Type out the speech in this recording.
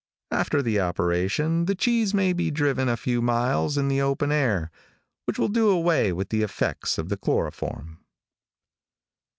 After the operation the cheese may be driven a few miles in the open air, which will do away with the effects of the chloroform.